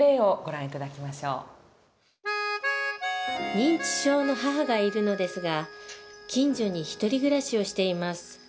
認知症の母がいるのですが近所に独り暮らしをしています。